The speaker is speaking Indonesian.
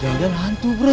jangan jangan hantu bro